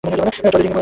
টলোলিং এর দক্ষিণে।